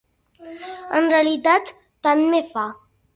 En realitat, tant me fa.